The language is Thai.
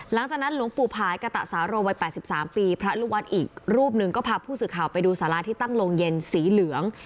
หลังจากนั้นหลวงปู่ภายกะตะสาโรวัย๘๓ปีพระลูกวัดอีกรูปหนึ่งก็พาผู้สื่อข่าวไปดูสาระที่ตั้งโรงเย็นสีเหลือง